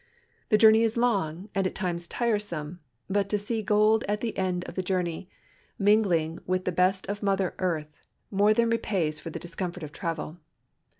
The journey is long and at times tiresome, but to see gold at the end of the journey mingling wiMi the l)est of mother earth mon; than refiays for the discomfort of travel.